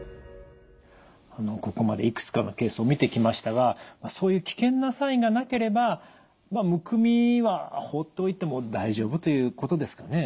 ここまでいくつかのケースを見てきましたがそういう危険なサインがなければむくみは放っておいても大丈夫ということですかね。